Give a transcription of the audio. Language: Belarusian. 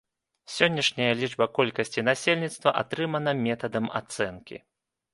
Сённяшняя лічба колькасці насельніцтва атрымана метадам ацэнкі.